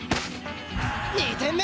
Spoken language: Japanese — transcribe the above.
２点目！